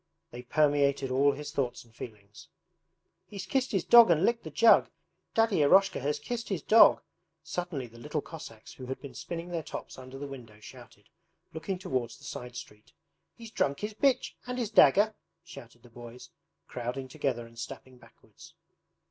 they permeated all his thoughts and feelings. 'He's kissed his dog and licked the jug! ... Daddy Eroshka has kissed his dog!' suddenly the little Cossacks who had been spinning their tops under the window shouted, looking towards the side street. 'He's drunk his bitch, and his dagger!' shouted the boys, crowding together and stepping backwards.